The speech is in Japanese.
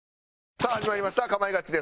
さあ始まりました『かまいガチ』です。